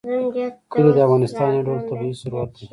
کلي د افغانستان یو ډول طبعي ثروت دی.